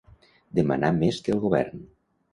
Demanar més que el govern.